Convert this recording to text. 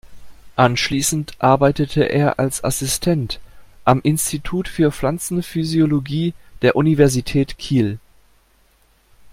Anschließend arbeitete er als Assistent am Institut für Pflanzenphysiologie der Universität Kiel.